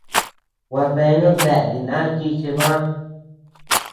Gua deanu déa diná chi chebä.